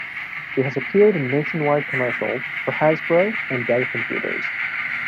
She has appeared in nationwide commercials for Hasbro and Dell Computers.